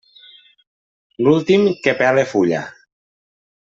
L'últim, que pele fulla.